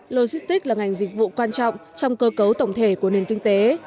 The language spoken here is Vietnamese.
logistics là ngành dịch vụ quan trọng trong cơ cấu tổng thể của nền kinh tế